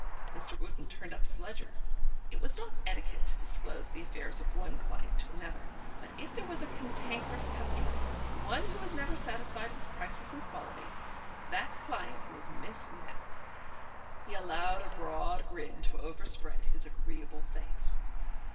Mr. Wootten turned up his ledger. It was not etiquette to disclose the affairs of one client to another, but if there was a cantankerous customer, one who was never satisfied with prices and quality, that client was Miss Mapp. ... He allowed a broad grin to overspread his agreeable face.